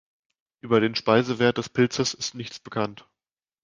Über den Speisewert des Pilzes ist nichts bekannt.